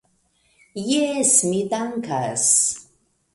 Jes, mi dankas.